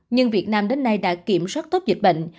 nhưng việt nam đến nay đã kiểm soát tốt dịch bệnh